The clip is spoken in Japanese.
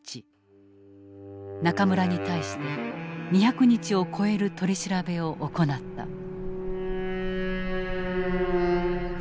中村に対して２００日を超える取り調べを行った。